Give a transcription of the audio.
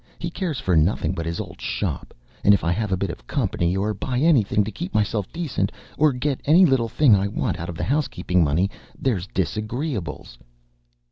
He cares for nothing but his old shop; and if I have a bit of company, or buy anything to keep myself decent, or get any little thing I want out of the housekeeping money, there's disagreeables.